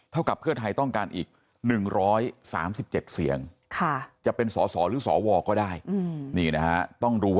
เท่ากับเพื่อไทยต้องการอีก๑๓๗เสียง